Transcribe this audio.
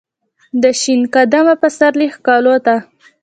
دشین قدمه پسرلی ښکالو ته ،